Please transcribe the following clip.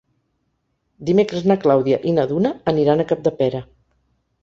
Dimecres na Clàudia i na Duna aniran a Capdepera.